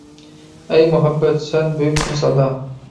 ئەي مۇھەببەت، سەن بۈيۈك بىر سادا.